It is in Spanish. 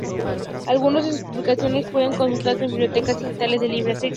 Algunas de sus publicaciones pueden consultarse en bibliotecas digitales de libre acceso.